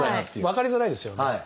分かりづらいですよね。